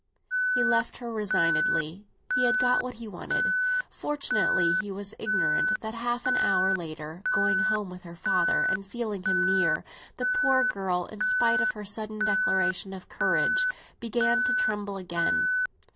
He left her resignedly; he had got what he wanted. Fortunately he was ignorant that half an hour later, going home with her father and feeling him near, the poor girl, in spite of her sudden declaration of courage, began to tremble again.